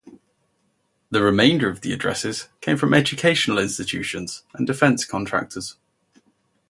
The remainder of the addresses came from educational institutions and defense contractors.